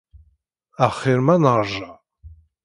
Axir ma nerja.